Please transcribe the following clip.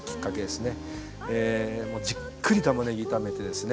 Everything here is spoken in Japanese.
じっくりたまねぎ炒めてですね